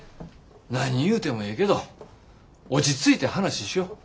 何言うてもええけど落ち着いて話しよ。